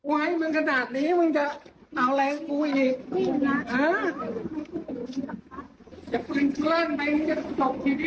ไว้มึงขนาดนี้มึงจะเอาแรงกูอีก